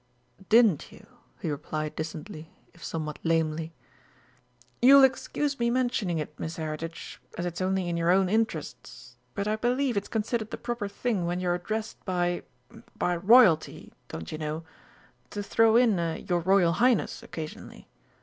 "Didn't you," he replied distantly, if somewhat lamely. "You'll excuse me mentioning it, Miss Heritage, as it's only in your own interests, but I believe it's considered the proper thing when you're addressed by by Royalty, don't you know, to throw in a 'Your Royal Highness' occasionally.